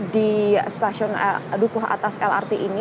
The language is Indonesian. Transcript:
di stasiun dukuh atas lrt ini